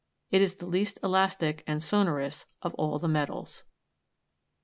It is the least elastic and sonorous of all the metals.